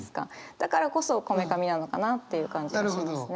だからこそこめかみなのかなっていう感じはしますね。